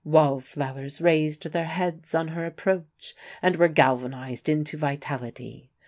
Wall flowers raised their heads on her approach, and were galvanized into vitality.